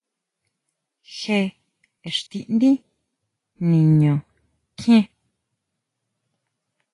¿Jé íxtidí niñu kjien?